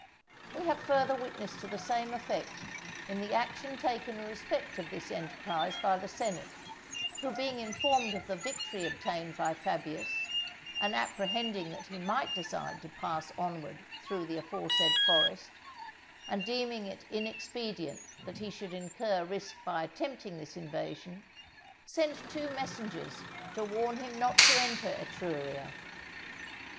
We have further witness to the same effect, in the action taken in respect of this enterprise by the senate, who being informed of the victory obtained by Fabius, and apprehending that he might decide to pass onward through the aforesaid forest, and deeming it inexpedient that he should incur risk by attempting this invasion, sent two messengers to warn him not to enter Etruria.